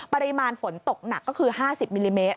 ปริมาณฝนตกหนักก็คือ๕๐มิลลิเมตร